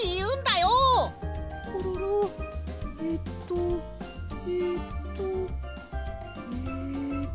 コロロえっとえっとえっと。